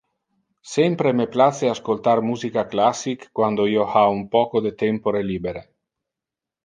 Sempre me place ascoltar musica classic quando io ha un poco de tempore libere.